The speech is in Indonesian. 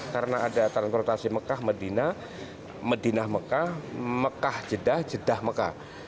karena ada transportasi mekah medinah medinah mekah mekah jedah jedah mekah